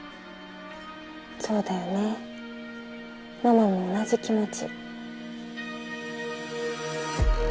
そうだよねママも同じ気持ち。